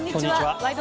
「ワイド！